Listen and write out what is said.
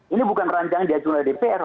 ini bukan rancangan diajukan oleh dpr